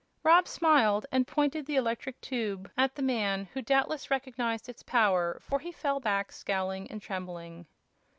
Rob smiled and pointed the electric tube at the man, who doubtless recognized its power, for he fell back scowling and trembling.